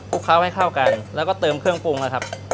เคล้าให้เข้ากันแล้วก็เติมเครื่องปรุงนะครับ